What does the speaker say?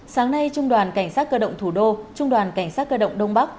sáng nay trung đoàn cảnh sát cơ động thủ đô trung đoàn cảnh sát cơ động đông bắc